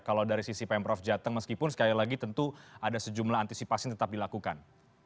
kalau dari sisi pemprov jateng meskipun sekali lagi tentu ada sejumlah antisipasi yang tetap dilakukan